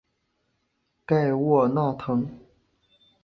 盖沃纳滕。